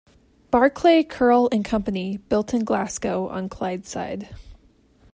Barclay, Curle and Company built in Glasgow on Clydeside.